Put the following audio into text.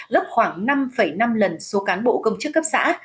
gấp khoảng năm năm lần số cán bộ công chức cấp xã